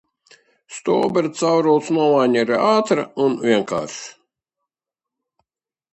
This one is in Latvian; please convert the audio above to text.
Stobra caurules nomaiņa ir ātra un vienkārša.